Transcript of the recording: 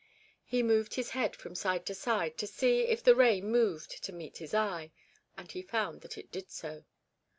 He moved his head from side to side to see if the ray moved to meet his eye, and he found that it did so.